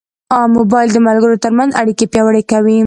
موبایل د ملګرو ترمنځ اړیکې پیاوړې کوي.